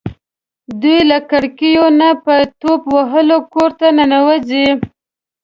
دوی له کړکیو نه په ټوپ وهلو کور ته ننوځي.